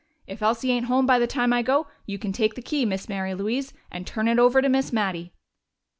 If Elsie ain't home by the time I go, you can take the key, Miss Mary Louise, and turn it over to Miss Mattie."